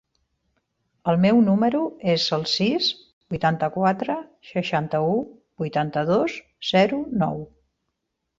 El meu número es el sis, vuitanta-quatre, seixanta-u, vuitanta-dos, zero, nou.